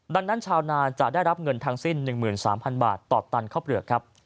ดังนั้นชาวนานจะได้รับเงินทั้งสิ้น๑๓๐๐บาทต่อตันข้าวเปลือกครับ